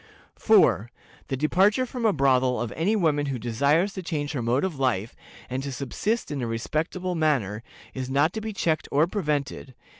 "4. The departure from a brothel of any woman who desires to change her mode of life, and to subsist in a respectable manner, is not to be checked or prevented.